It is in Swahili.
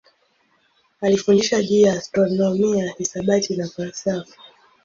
Alifundisha juu ya astronomia, hisabati na falsafa.